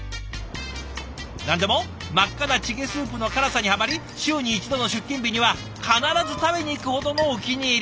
何でも真っ赤なチゲスープの辛さにハマり週に１度の出勤日には必ず食べに行くほどのお気に入り。